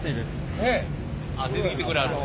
あっ出てきてくれはるわ。